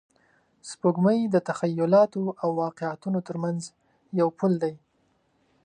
سپوږمۍ د تخیلاتو او واقعیتونو تر منځ یو پل دی